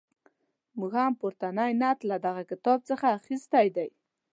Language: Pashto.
موږ هم پورتنی نعت له دغه کتاب څخه اخیستی دی.